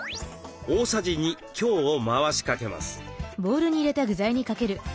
大さじ２強を回しかけます。